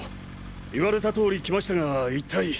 言われた通り来ましたが一体。